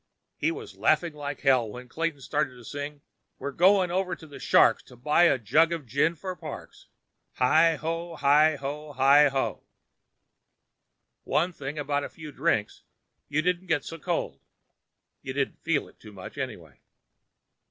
He was laughing like hell when Clayton started to sing. "We're going over to the Shark's To buy a jug of gin for Parks! Hi ho, hi ho, hi ho!" One thing about a few drinks; you didn't get so cold. You didn't feel it too much, anyway.